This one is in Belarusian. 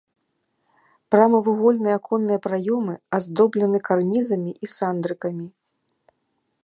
Прамавугольныя аконныя праёмы аздоблены карнізамі і сандрыкамі.